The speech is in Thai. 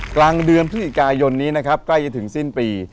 กลางเดือนพฤศจิกายนนี้นะครับใกล้จะถึงสิ้นปี